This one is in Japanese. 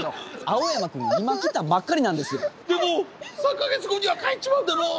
でも３か月後には帰っちまうんだろ！？